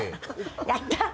やった！